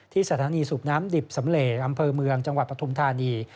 สถานีสูบน้ำดิบสำเลอำเภอเมืองจังหวัดปฐุมธานี